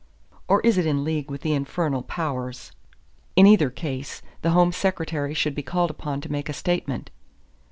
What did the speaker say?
Or is it in league with the infernal powers? In either case the Home Secretary should be called upon to make a statement."